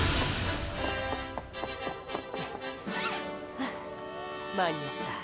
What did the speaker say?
ふう間に合った！